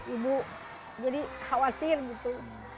ibu jadi khawatir gitu